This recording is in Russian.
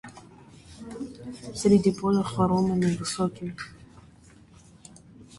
Середи поля хоромами высокими